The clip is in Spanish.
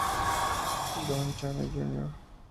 Lon Chaney Jr.